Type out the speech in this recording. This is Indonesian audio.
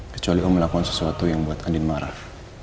kecuali kamu melakukan sesuatu yang buat andin marah